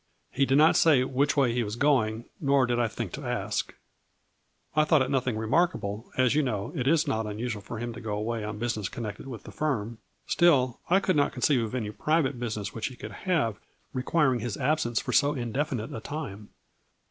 He did not say which way he was going, nor did I think to ask.' " I thought it nothing remarkable, as you know it is not unusual for him to go away on business connected with the firm, still I could not conceive of any private business which he could have requiring his absence for so indefi nite a time.